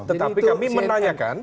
tetapi kami menanyakan